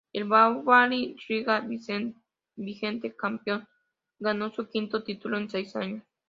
El Daugava Riga, vigente campeón, ganó su quinto título en seis años.